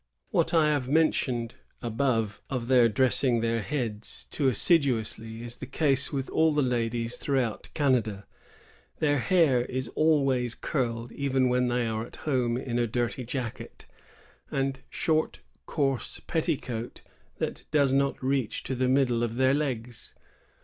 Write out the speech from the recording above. What I have mentioned above of their dressing their heads too assiduously is the case with all the ladies throughout Canada. Their hair is always curled, even when they are at home in a dirty jacket and short coarse petticoat that does not reach to the middle of their legs.